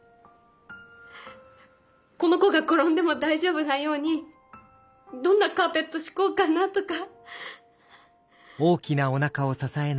この子が転んでも大丈夫なようにどんなカーペット敷こうかなとか。